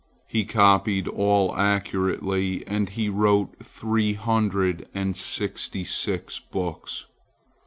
He copied all accurately, and he wrote three hundred and sixty six books.